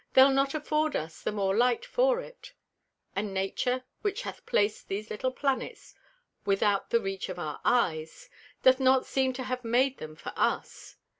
They'll not afford us the more Light for it; and Nature, which hath plac'd these little Planets without the reach of our Eyes, doth not seem to have made them for us.